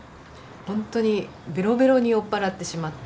ほんとにベロベロに酔っ払ってしまって。